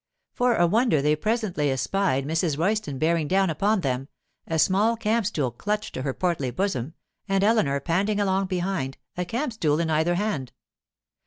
For a wonder they presently espied Mrs. Royston bearing down upon them, a small camp stool clutched to her portly bosom, and Eleanor panting along behind, a camp stool in either hand.